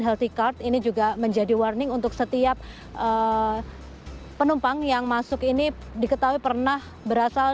healthy card ini juga menjadi warning untuk setiap penumpang yang masuk ini diketahui pernah berasal